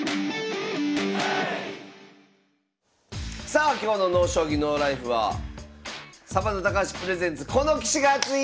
さあ今日の「ＮＯ将棋ＮＯＬＩＦＥ」はサバンナ「高橋プレゼンツ